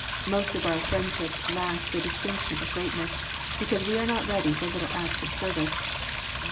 Most of our friendships lack the distinc tion of greatness, because we are not ready for little acts of service.